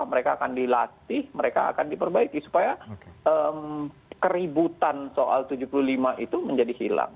mereka akan dilatih mereka akan diperbaiki supaya keributan soal tujuh puluh lima itu menjadi hilang